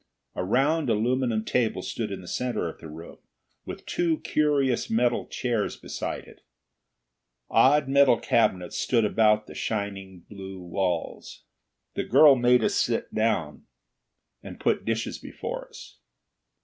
A round aluminum table stood in the center of the room, with two curious metal chairs beside it. Odd metal cabinets stood about the shining blue walls. The girl made us sit down, and put dishes before us.